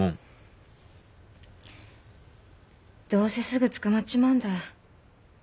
どうせすぐ捕まっちまうんだ。